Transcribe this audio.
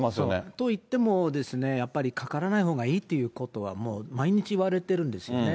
といっても、やっぱりかからないほうがいいということはもう毎日言われてるんですよね。